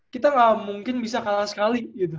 kita gak mungkin bisa kalah sekali